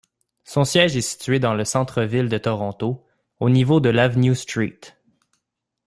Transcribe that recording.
Son siège est situé dans le centre-ville de Toronto, au niveau de l'avenue St.